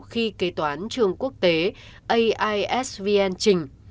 khi kế toán trường quốc tế aisvn trình